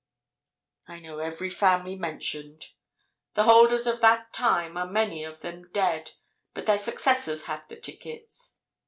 I know every family mentioned. The holders of that time are many of them dead; but their successors have the tickets.